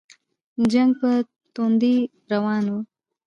جنګ په توندۍ روان وو.